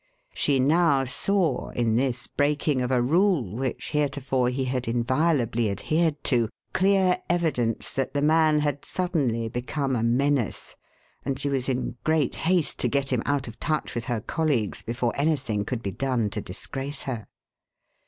She now saw in this breaking of a rule, which heretofore he had inviolably adhered to, clear evidence that the man had suddenly become a menace, and she was in great haste to get him out of touch with her colleagues before anything could be done to disgrace her.